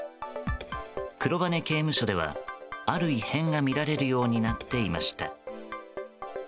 黒羽刑務所ではある異変が見られるようになっていました。